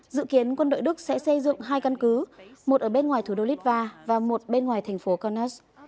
dự kiến quân đội đức sẽ xây dựng hai căn cứ một ở bên ngoài thủ đô litva và một bên ngoài thành phố karnas